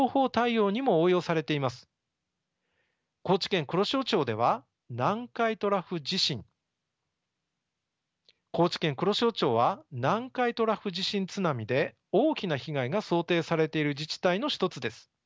高知県黒潮町は南海トラフ地震津波で大きな被害が想定されている自治体の一つです。